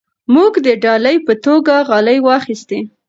موږ د ډالۍ په توګه غالۍ واخیستې.